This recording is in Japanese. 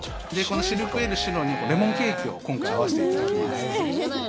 このシルクエール白にレモンケーキを今回、合わせていただきます。